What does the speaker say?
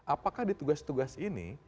apakah di tugas tugas ini